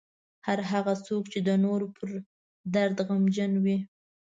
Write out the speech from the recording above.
هر هغه څوک چې د نورو په درد غمجن نه وي.